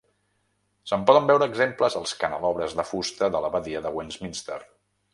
Se'n poden veure exemples als canelobres de fusta de l'Abadia de Westminster.